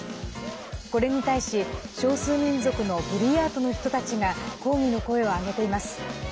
これに対し少数民族のブリヤートの人たちが抗議の声を上げています。